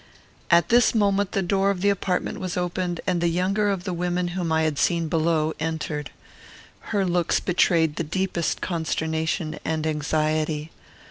At this moment the door of the apartment was opened, and the younger of the women whom I had seen below entered. Her looks betrayed the deepest consternation and anxiety.